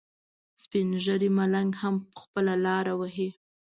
سپین ږیری ملنګ هم خپله لاره وهي.